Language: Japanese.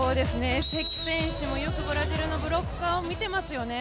関選手もよくブラジルのブロッカーを見てますよね。